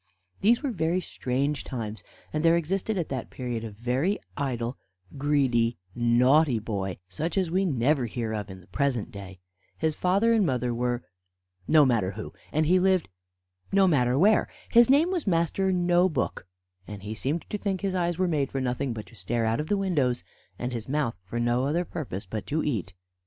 These were very strange times, and there existed at that period a very idle, greedy, naughty boy, such as we never hear of in the present day. His father and mother were no matter who, and he lived no matter where. His name was Master No book, and he seemed to think his eyes were made for nothing but to stare out of the windows, and his mouth for no other purpose but to eat.